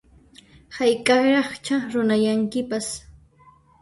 Hayk'aqraqchá runayankipas